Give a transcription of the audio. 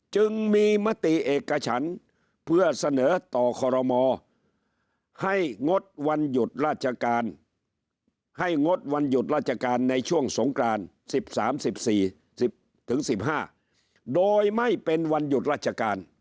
จึงมีมติเอกฉันเพื่อเสนอต่อขอรมอให้งดวันหยุดราชการในช่วงสงกราน๑๓๑๕โดยไม่เป็นวันหยุดราชการ